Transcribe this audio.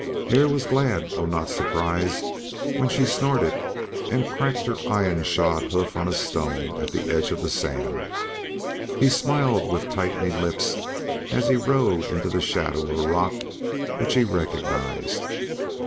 Hare was glad though not surprised when she snorted and cracked her iron shod hoof on a stone at the edge of the sand. He smiled with tightening lips as he rode into the shadow of a rock which he recognized.